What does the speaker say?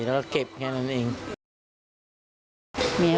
แม่ของแม่แม่ของแม่